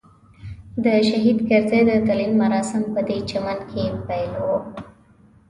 د شهید کرزي د تلین مراسم پدې چمن کې پیل وو.